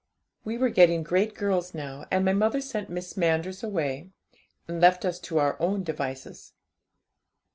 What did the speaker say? We were getting great girls now, and my mother sent Miss Manders away, and left us to our own devices.